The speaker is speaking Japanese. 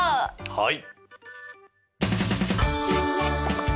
はい！